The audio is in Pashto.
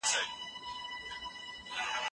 ګوندي تحلیلونو په هېواد کې تباهي رامنځته کړه.